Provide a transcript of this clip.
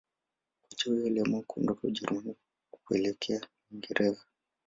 Kocha huyo aliamua kuondoka Ujerumani kuelekjea uingereza